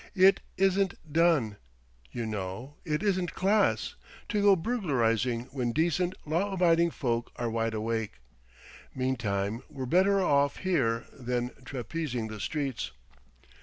It isn't done, you know, it isn't class, to go burglarizing when decent, law abiding folk are wide awake.... Meantime we're better off here than trapezing the streets...."